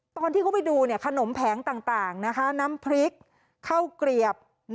ตอนที่เขาไปดูขนมแผงต่างน้ำพริกข้าวเกลียบ